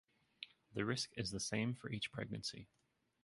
The risk is the same for each pregnancy.